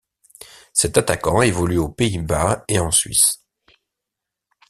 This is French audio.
Cet attaquant évolue aux Pays-Bas et en Suisse.